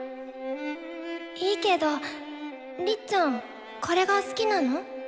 いいけどりっちゃんこれが好きなの？